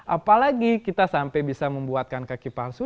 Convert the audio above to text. apalagi kita sampai bisa membuatkan kaki palsu